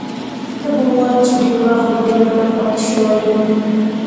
ته به وایې چې ډېر وخت به دننه پاتې شوی یم.